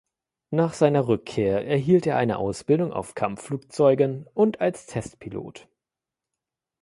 Nach seiner Rückkehr erhielt er eine Ausbildung auf Kampfflugzeugen und als Testpilot.